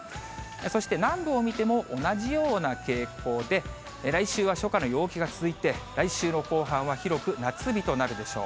そして、南部を見ても、同じような傾向で、来週は初夏の陽気が続いて、来週の後半は広く夏日となるでしょう。